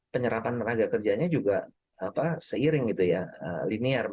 penyerapan tenaga kerjanya juga seiring gitu ya linear